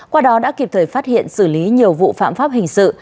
qua đó đã kịp thời phát hiện xử lý nhiều vụ phạm pháp hình sự